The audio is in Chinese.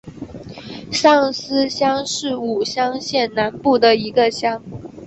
上司乡是武乡县南部的一个乡。